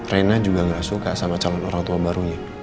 rena juga gak suka sama calon orang tua barunya